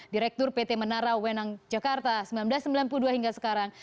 direktur pt menara wenang jakarta seribu sembilan ratus sembilan puluh dua hingga sekarang